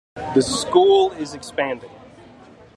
The school is expanding.